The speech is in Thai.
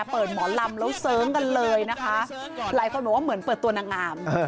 เปิดหมอนลำแล้วเซิงกันเลยนะคะหลายคนเหมือนว่าเหมือนเปิดตัวหนังอ่าม